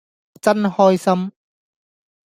真開心